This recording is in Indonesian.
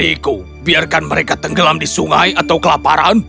baikku biarkan mereka tenggelam di sungai atau kelaparan